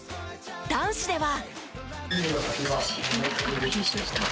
男子では。